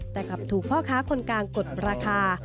แต่กลับถูกพ่อค้าคนกลางกดราคา